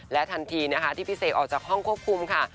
ทันทีนะคะที่พี่เสกออกจากห้องควบคุมค่ะ